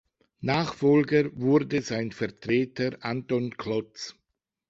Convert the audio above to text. Nachfolger wurde sein Vertreter Anton Klotz.